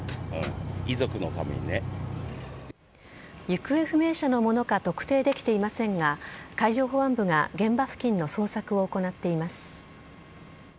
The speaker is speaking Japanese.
行方不明者のものか特定できていませんが海上保安部が現場付近の捜索を行っています。